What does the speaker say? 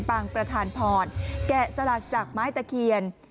ประธานพรแกะสลักจากไม้ตะเคียน